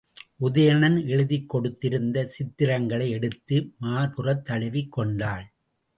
உதயணன் எழுதிக் கொடுத்திருந்த சித்திரங்களை எடுத்து மார்புறத் தழுவிக் கொண்டாள்.